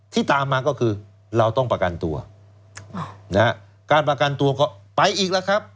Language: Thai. ตามมาก็คือเราต้องประกันตัวนะฮะการประกันตัวก็ไปอีกแล้วครับ